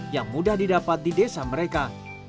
yang mudah didapat di desa mereka